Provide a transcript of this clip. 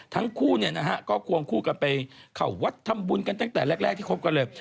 ทั้งคู่เนี่ยนะฮะก็ควงคู่กันไปเขาวัดทำบุญกันตั้งแต่แรกที่คบกันเลย